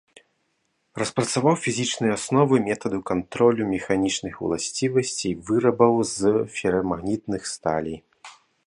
Распрацаваў фізічныя асновы метаду кантролю механічных уласцівасцей вырабаў з ферамагнітных сталей.